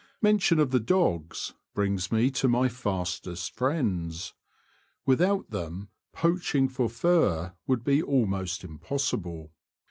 Mention of the dogs brings me to my fastest friends Without them poaching for fur would be almost impossible.